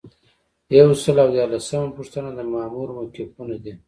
یو سل او دیارلسمه پوښتنه د مامور موقفونه دي.